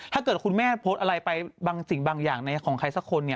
ถ้าเกิดคุณแม่โพสต์อะไรไปบางสิ่งบางอย่างของใครสักคน